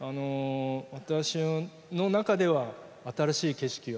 私の中では新しい景色は